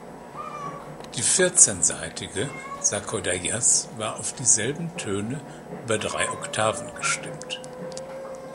Die vierzehnsaitige "sakodayazh" war auf dieselben Töne über drei Oktaven gestimmt.